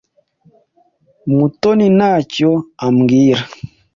Mutoni ntacyo ambwira.